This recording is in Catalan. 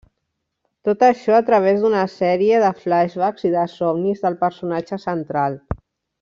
Tot això a través d'una sèrie de flashbacks i de somnis del personatge central.